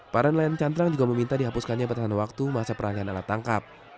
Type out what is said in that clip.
para nelayan cantrang juga meminta dihapuskannya batasan waktu masa perangkaian alat tangkap